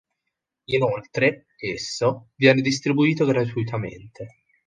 Inoltre, esso viene distribuito gratuitamente.